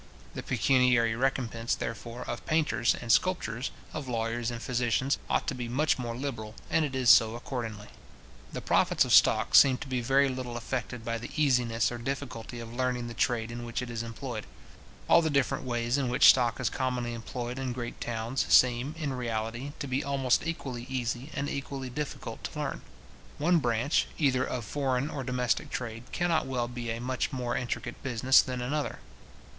The pecuniary recompence, therefore, of painters and sculptors, of lawyers and physicians, ought to be much more liberal; and it is so accordingly. The profits of stock seem to be very little affected by the easiness or difficulty of learning the trade in which it is employed. All the different ways in which stock is commonly employed in great towns seem, in reality, to be almost equally easy and equally difficult to learn. One branch, either of foreign or domestic trade, cannot well be a much more intricate business than another.